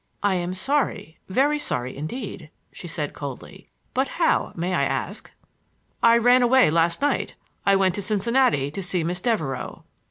"I am sorry, very sorry, indeed," she said coldly. "But how, may I ask?" "I ran away, last night. I went to Cincinnati to see Miss Devereux."